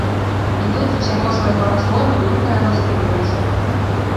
І тут з усяго свайго разгону думка яго спынілася.